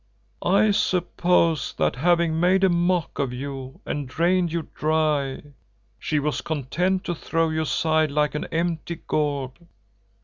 I suppose that having made a mock of you and drained you dry, she was content to throw you aside like an empty gourd.